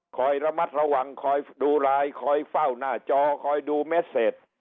คอยระมัดระวังคอยดูไลน์คอยเฝ้าหน้าจอคอยดูเมสเซจ